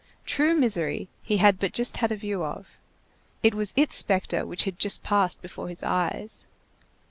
True misery he had but just had a view of. It was its spectre which had just passed before his eyes.